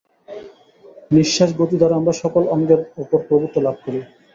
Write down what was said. নিঃশ্বাস-গতি দ্বারা আমরা সকল অঙ্গের উপর প্রভুত্ব লাভ করি।